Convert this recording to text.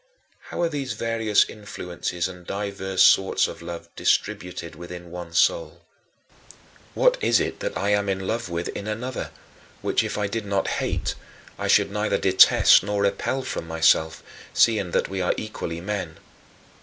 How are these various influences and divers sorts of loves distributed within one soul? What is it that I am in love with in another which, if I did not hate, I should neither detest nor repel from myself, seeing that we are equally men?